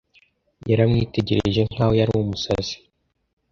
Yaramwitegereje nkaho yari umusazi